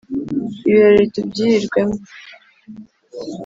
ibirori tubyirirwemo